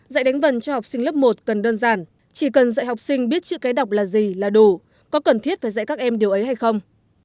dạy đánh vần cho học sinh lớp một cần đơn giản chỉ cần dạy học sinh biết chữ cái đọc là gì là đủ có cần thiết phải dạy các em điều ấy hay không